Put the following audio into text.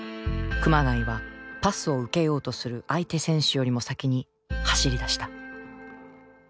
熊谷はパスを受けようとする相手選手よりも先に走りだした。